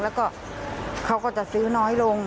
แล้วก็เขาก็จะซื้อน้อยลง